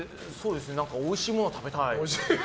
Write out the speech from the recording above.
おいしいもの食べたい。